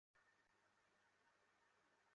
ব্যাপারটার সাথে আমার ঠিক ধারণা নেই।